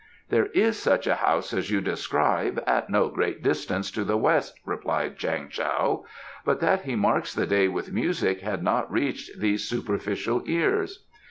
"There is such a house as you describe, at no great distance to the west," replied Chang Tao. "But that he marks the day with music had not reached these superficial ears."